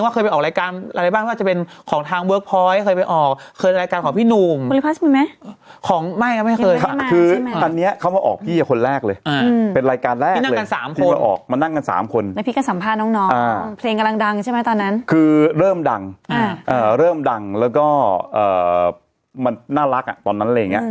เนี่ยนะลุงนะลุงก็ป้องดูอย่างนี้นะ